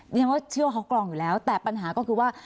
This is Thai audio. ฉันก็เชื่อว่าเขากรองอยู่แล้วแต่ปัญหาก็คือว่า